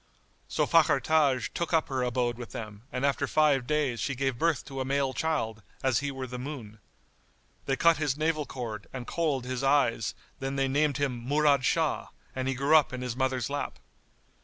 So Fakhr Taj took up her abode with them and after five days she gave birth to a male child, as he were the moon. They cut his navel cord and kohl'd his eyes then they named him Murad Shah, and he grew up in his mother's lap.